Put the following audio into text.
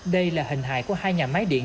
đây là hình hại của hai nhà máy điện